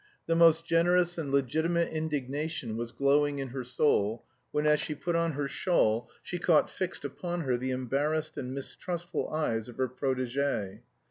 The most generous and legitimate indignation was glowing in her soul, when, as she put on her shawl, she caught fixed upon her the embarrassed and mistrustful eyes of her protégée.